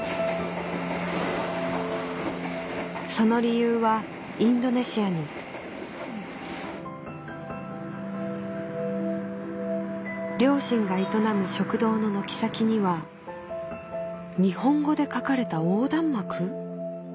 その理由はインドネシアに両親が営む食堂の軒先には日本語で書かれた横断幕？